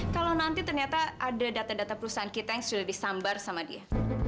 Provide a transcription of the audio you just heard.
kalau nanti ternyata ada data data perusahaan kita yang sudah disambar sama dia